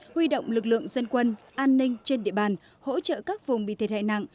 huy động lực lượng dân quân an ninh trên địa bàn hỗ trợ các vùng bị thiệt hại nặng